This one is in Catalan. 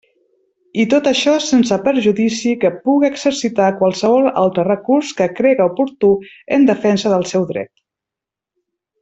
I tot això sense perjudici que puga exercitar qualsevol altre recurs que crega oportú en defensa del seu dret.